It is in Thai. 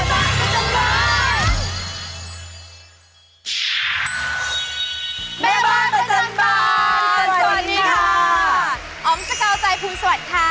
อ๋อมสกาวใจภูมิสวัสดิ์ค่ะ